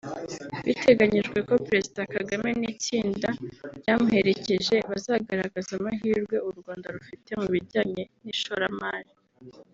Biteganyijwe ko Perezida Kagame n’itsinda ryamuherekeje bazagaragaza amahirwe u Rwanda rufite mu bijyanye n’ishoramari